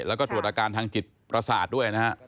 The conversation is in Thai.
แล้วก็ตรวจอาการทางจิตประสาทด้วยนะฮะ